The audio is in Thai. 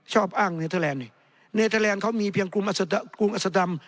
ชอบอ้างเนเธอแลนด์เนเธอแลนด์เขามีเพียงกรุงอัสดำ